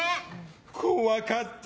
怖かった！